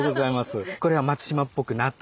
これは松島っぽくなった。